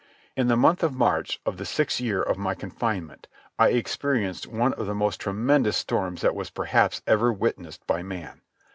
In the month of March of the sixth year of my confinement I experienced one of the most tremendous storms that was perhaps ever witnessed by man.